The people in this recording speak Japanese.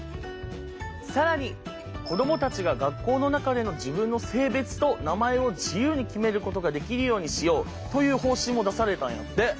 更に子供たちが学校の中での自分の性別と名前を自由に決めることができるようにしようという方針も出されたんやって！